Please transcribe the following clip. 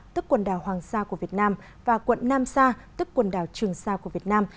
tức quần đảo hoàng sa của việt nam và quận nam sa tức quần đảo trường sa của việt nam